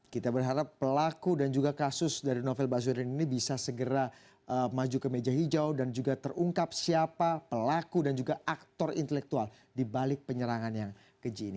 kita berharap pelaku dan juga kasus dari novel baswedan ini bisa segera maju ke meja hijau dan juga terungkap siapa pelaku dan juga aktor intelektual dibalik penyerangan yang keji ini